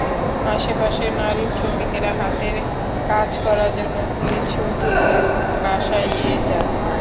আশপাশের নারী শ্রমিকেরা হাতের কাজ করার জন্য কিছু টুপি বাসায় নিয়ে যান।